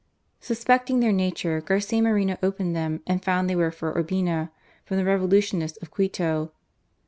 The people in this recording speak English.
Suspecting their nature, Garcia Moreno opened them, and found they were for Urbina, from the Revolutionists of Quito.